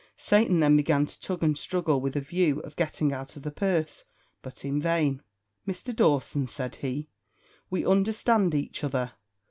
Satan then began to tug and struggle with a view of getting out of the purse, but in vain. "Mr. Dawson," said he, "we understand each other.